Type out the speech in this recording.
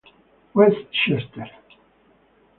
West Chester